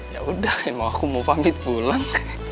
yaudah emang aku mau pamit pulang